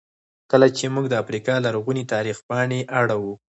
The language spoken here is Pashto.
کله چې موږ د افریقا لرغوني تاریخ پاڼې اړوو.